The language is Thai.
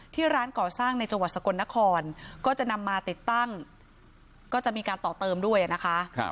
ร้านก่อสร้างในจังหวัดสกลนครก็จะนำมาติดตั้งก็จะมีการต่อเติมด้วยนะคะ